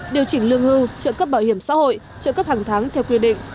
điều chỉnh lương hưu trợ cấp bảo hiểm xã hội trợ cấp hàng tháng theo quy định